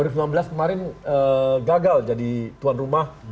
dua ribu sembilan belas kemarin gagal jadi tuan rumah